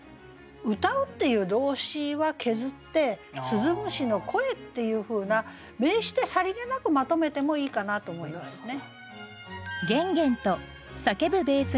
「歌う」っていう動詞は削って「鈴虫の声」っていうふうな名詞でさりげなくまとめてもいいかなと思いますね。